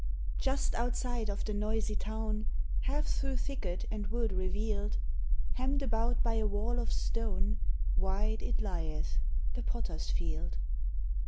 JUST outside of the noisy town, Half through thicket and wood revealed, Hemmed about by a wall of stone, Wide it lieth, the Potter's Field.